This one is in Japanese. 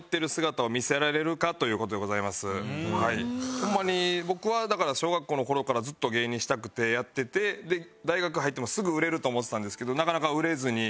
ホンマに僕はだから小学校の頃からずっと芸人したくてやってて大学入ってもうすぐ売れると思ってたんですけどなかなか売れずに。